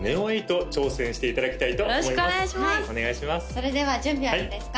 それでは準備はいいですか？